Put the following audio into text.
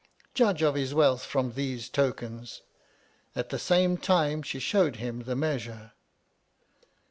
Judge of his wealth from these tokens. At the same time she showed him the measure.